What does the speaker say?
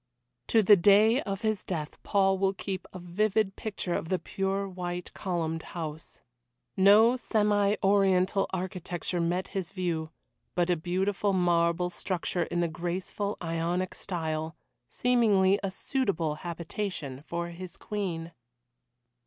To the day of his death Paul will keep a vivid picture of the pure white columned house. No semi Oriental architecture met his view, but a beautiful marble structure in the graceful Ionic style, seeming a suitable habitation for his Queen.